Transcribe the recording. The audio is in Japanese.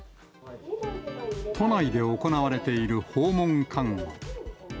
都内で行われている訪問看護。